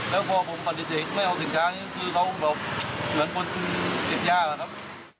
แล้วพอผมขนติเสร็จไม่เอาสินค้าคือเขาเหมือนคนเก็บยาก